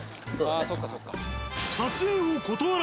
ああそっかそっか。